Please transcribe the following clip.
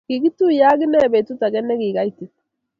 kikktuye aki inne betut age ne ki kaitit.